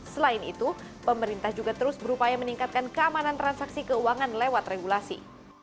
selain itu pemerintah juga terus berupaya meningkatkan keamanan transaksi keuangan lewat regulasi